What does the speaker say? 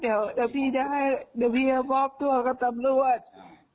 เดี๋ยวพี่ได้พี่จะพบตัวกับตำรวจ